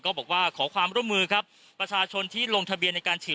บอกว่าขอความร่วมมือครับประชาชนที่ลงทะเบียนในการฉีด